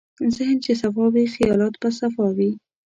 ذهن چې صفا وي، خیالات به صفا وي.